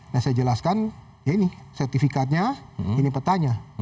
dan saya jelaskan ya ini sertifikatnya ini petanya